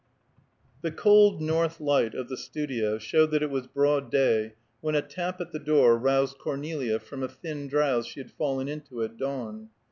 The cold north light of the studio showed that it was broad day when a tap at the door roused Cornelia from a thin drowse she had fallen into at dawn.